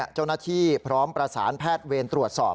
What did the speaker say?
เจ้าหน้าที่พร้อมประสานแพทย์เวรตรวจสอบ